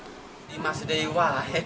ini masih dewa